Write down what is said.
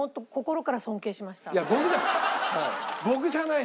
いや僕じゃない。